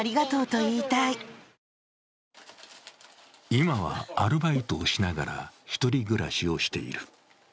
今はアルバイトをしながら１人暮らしをしている。